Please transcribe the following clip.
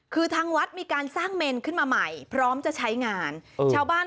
คือทางวัดมีการสร้างเมนขึ้นมาใหม่พร้อมจะใช้งานชาวบ้าน